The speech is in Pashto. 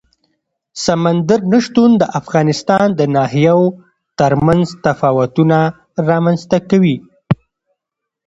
سمندر نه شتون د افغانستان د ناحیو ترمنځ تفاوتونه رامنځ ته کوي.